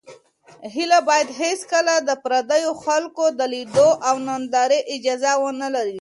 هیله باید هېڅکله د پردیو خلکو د لیدلو او نندارې اجازه ونه لري.